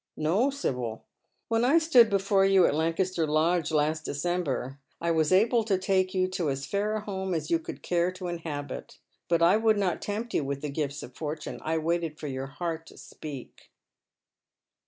" No, Sibyl. When I stood before you at Lancaster Lodge, last December, I was able to take you to as fair a home as you could care to inhabit ; but I would not tempt you with the gifts of fortune. I waited for your heart to speak."